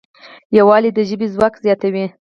یووالی د ژبې ځواک زیاتوي.